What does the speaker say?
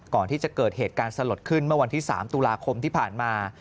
ก่อนที่จะเกิดเหตุการณ์สลดขึ้นเมื่อวันที่๓ตุลาคมที่ผ่านมา